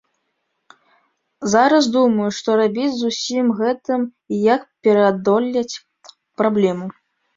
Зараз думаю, што рабіць з усім гэтым і як пераадолець праблему.